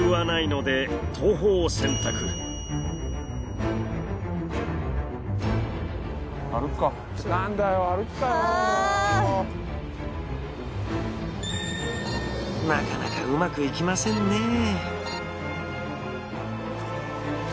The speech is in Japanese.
なかなかうまくいきませんね。